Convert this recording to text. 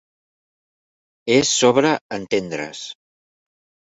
És sobre entendre's.